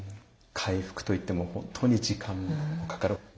回復といっても本当に時間もかかる。